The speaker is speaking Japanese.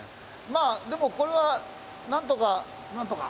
まあでもこれはなんとかなんとか。